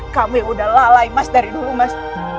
kamu yang udah lalai mas dari dulu mas